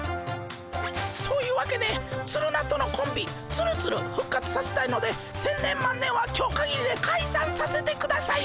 そういうわけでツルナとのコンビツルツル復活させたいので千年万年は今日かぎりでかいさんさせてください。